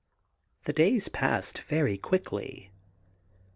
The days passed very quickly.